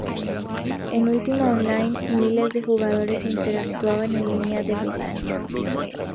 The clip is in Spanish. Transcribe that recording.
En "Ultima Online", miles de jugadores interactúan en línea en Britania.